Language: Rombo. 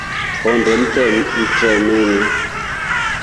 Hondee mtremeni.